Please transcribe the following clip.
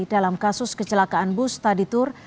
dalam kasus kecelakaan bus tadi tur